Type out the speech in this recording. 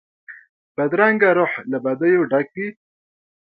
بدرنګه روح له بدیو ډک وي